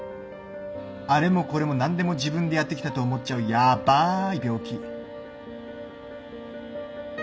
あれもこれも何でも自分でやってきたと思っちゃうヤバーい病気。